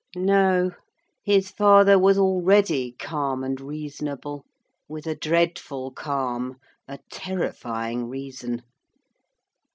No; his father was already calm and reasonable with a dreadful calm, a terrifying reason.